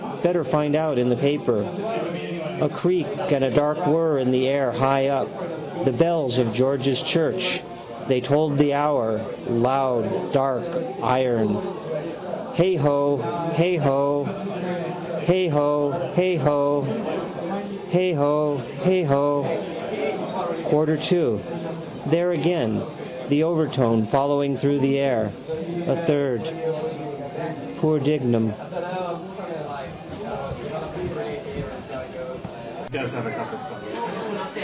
Better find out in the paper. A creak and a dark whirr in the air high up. The bells of George's church. They tolled the hour: loud dark iron. Heigho! Heigho! Heigho! Heigho! Heigho! Heigho! Quarter to. There again: the overtone following through the air. A third. Poor Dignam!